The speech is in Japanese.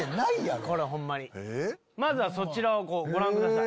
まずはそちらをご覧ください。